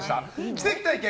奇跡体験！